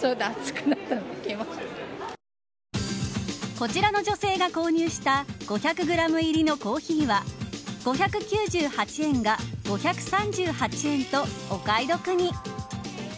こちらの女性が購入した５００グラム入りのコーヒーは５９８円が５３８円とお買い得に。